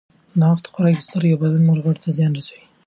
ناوخته خوراک د سترګو او بدن نورو غړو ته زیان رسوي.